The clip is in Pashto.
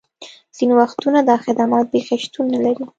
ځینې وختونه دا خدمات بیخي شتون نه لري